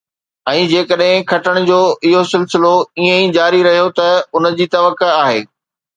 ۽ جيڪڏهن کٽڻ جو اهو سلسلو ائين ئي جاري رهيو ته ان جي توقع آهي